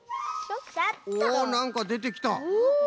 おっなんかでてきた。